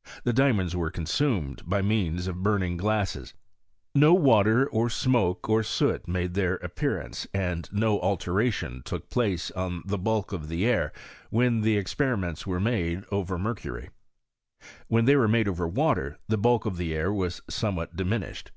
* The diamonds were consumed by means of burn M*g gl2isse8. No water or smoke or soot made their appearance, and no alteration took place on the bulk of the air when the experiments were made over mer cury. When they were made over water, the bulk of the air was somewhat diminished.